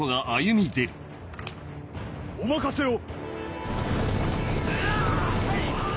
お任せを。